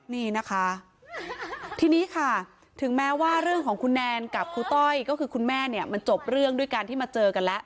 นี่นะคะทีนี้ค่ะถึงแม้ว่าเรื่องของคุณแนนกับครูต้อยก็คือคุณแม่เนี่ยมันจบเรื่องด้วยการที่มาเจอกันแล้ว